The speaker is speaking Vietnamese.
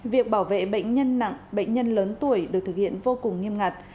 việc bảo vệ bệnh nhân nặng bệnh nhân lớn tuổi được thực hiện vô cùng nghiêm ngặt